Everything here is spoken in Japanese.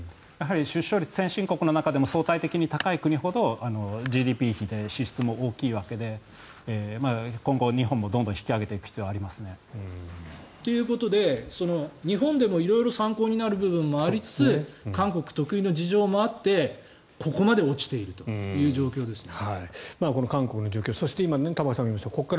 出生率、先進国の中でも相対的に高い国ほどＧＤＰ比で支出も大きいわけで今後、日本もどんどん引き上げていく必要がありますね。ということで、日本でも色々参考になる部分もありつつ韓国特有の事情もあってここまで落ちているという状況ですね。